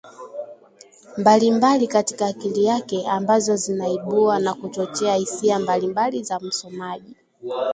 mbalimbali katika akili yake ambazo zinaibua na kuchochea hisia mbalimbali za msomaji